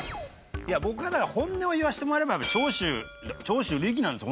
僕はだから本音を言わせてもらえば長州長州力なんですよ